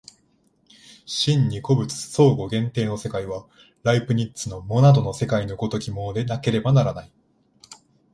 真に個物相互限定の世界は、ライプニッツのモナドの世界の如きものでなければならない。